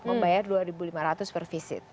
membayar rp dua lima ratus per visit